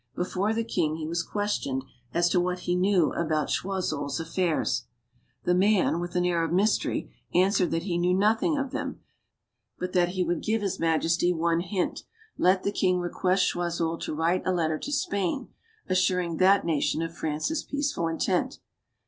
Before the king, he was questioned as to what he knew about Choiseul's affairs. The man, with an air of mystery, answered that he knew nothing of them, but that he would give his majesty one hint let the king request Choiseul to write a letter to Spain, assuring that nation of France's peace ful intent.